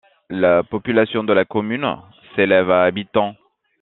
La population de la commune s'élève à habitants.